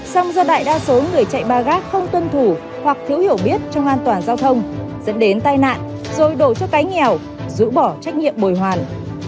xong do đại đa số người chạy ba gác không tuân thủ hoặc thiếu hiểu biết cho hoàn toàn giao thông dẫn đến tai nạn rồi đổ cho cái nghèo rũ bỏ trách nhiệm bồi hoàn